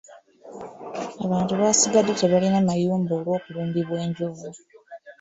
Abantu basigadde tebalina mayumba olw'okulumbibwa enjovu.